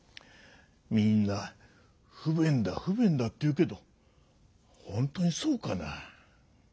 みんな不便だ不便だって言うけどほんとにそうかな？